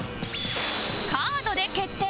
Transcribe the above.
カードで決定